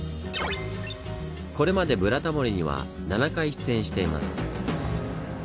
これまで「ブラタモリ」には７回出演しています。